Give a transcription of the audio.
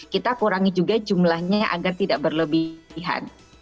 kita kurangi juga jumlahnya agar tidak berlebihan